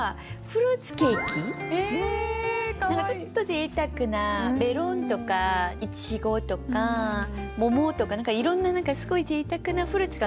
ちょっとぜいたくなメロンとかいちごとか桃とかいろんなすごいぜいたくなフルーツがのってある。